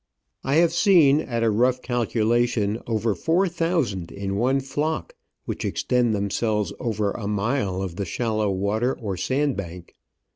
I have seen, at a rough calculation , over four thousand in one flock, which extend them selves over a mile of the shallow water or sand bank.